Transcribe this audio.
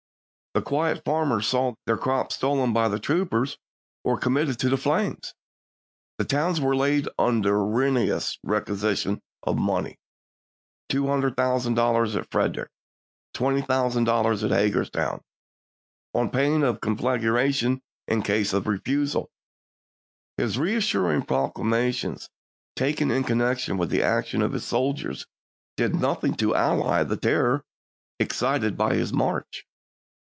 The quiet farmers saw their crops stolen by the troopers or committed to the flames; the towns were laid under ruinous requisitions of money — $200,000 at Frederick, $20,000 at Hagerstown — on pain of conflagration in case of refusal. His reassuring proclamations, taken in connection with the action of his soldiers, did nothing to allay the terror excited by his march.